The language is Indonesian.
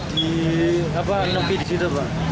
di apa nepi di situ pak